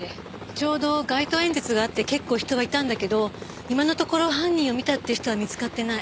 ちょうど街頭演説があって結構人はいたんだけど今のところ犯人を見たって人は見つかってない。